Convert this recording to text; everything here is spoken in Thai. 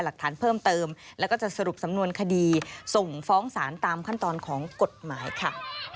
แล้วก็จะสรุปสำนวนคดีส่งฟ้องสารตามขั้นตอนของกฎหมายค่ะ